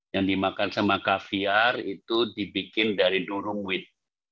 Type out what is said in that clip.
yang dimakan sama kaviar itu dibikin dari durung wit